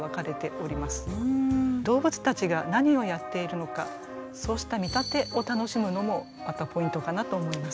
動物たちが何をやっているのかそうした見立てを楽しむのもまたポイントかなと思います。